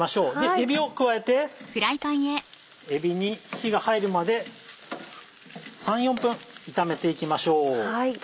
えびを加えてえびに火が入るまで３４分炒めていきましょう。